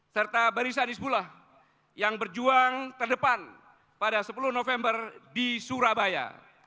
serta barisan isbullah yang berjuang terdepan pada sepuluh november di surabaya